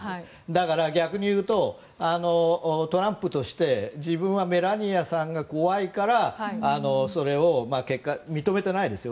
だから、逆に言うとトランプとして自分はメラニアさんが怖いからそれを結果、認めてないですよ